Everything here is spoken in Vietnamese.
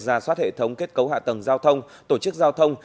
ra soát hệ thống kết cấu hạ tầng giao thông tổ chức giao thông